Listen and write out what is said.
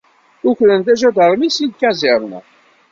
ukren-d aǧadarmi seg lkaẓirna.